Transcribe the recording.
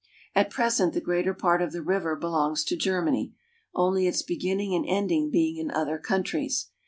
At present the greater part of the river belongs to Germany, only its beginning and ending being in other countries.